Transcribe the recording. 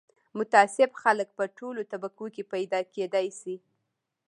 متعصب خلک په ټولو طبقو کې پیدا کېدای شي